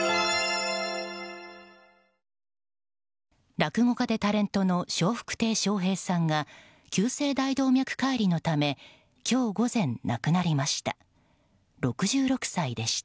落語家でタレントの笑福亭笑瓶さんが急性大動脈解離のため今日午前、亡くなりました。